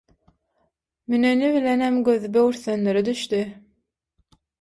Müneni bilenem gözi böwürslenlere düşdi.